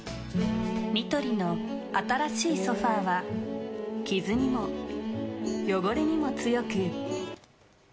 ニトリの新しいソファは、キズにも汚れにも強く。